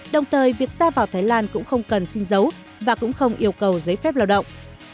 đồng thời việc ra vào thái lan cũng không cần sinh giấu và cũng không yêu cầu giấy phép lao động